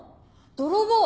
泥棒！